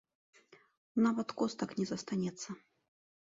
Нават костак не застанецца!